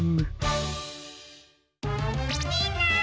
みんな！